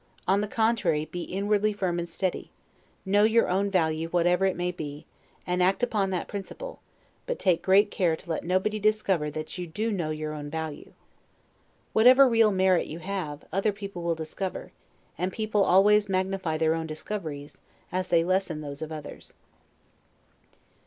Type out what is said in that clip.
On the contrary, be inwardly firm and steady, know your own value whatever it may be, and act upon that principle; but take great care to let nobody discover that you do know your own value. Whatever real merit you have, other people will discover, and people always magnify their own discoveries, as they lessen those of others.